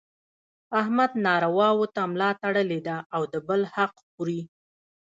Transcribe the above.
احمد نارواوو ته ملا تړلې ده او د بل حق خوري.